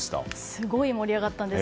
すごい盛り上がったんです